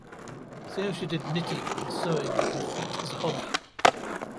She also did knitting and sewing with her feet as a hobby.